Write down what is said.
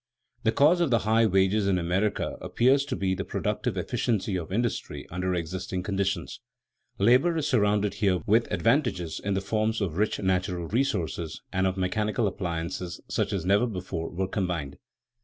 The cause of the high wages in America appears to be the productive efficiency of industry under existing conditions. Labor is surrounded here with advantages in the forms of rich natural resources and of mechanical appliances such as never before were combined.